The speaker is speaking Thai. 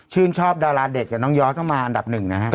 ชื่นชอบดาราเด็กกับน้องยอดต้องมาอันดับหนึ่งนะฮะ